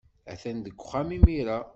Atan deg uxxam imir-a.